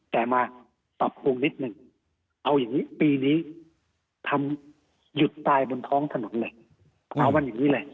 แต่มาปรับปรุงนิดนึงเอาอย่างนี้ปีนี้ทำหยุดตายบนท้องถนนเลยเอากันอย่างนี้เลย